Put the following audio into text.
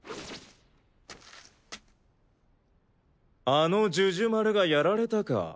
あのジュジュマルがやられたか。